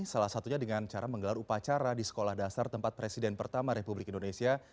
salah satunya dengan cara menggelar upacara di sekolah dasar tempat presiden pertama republik indonesia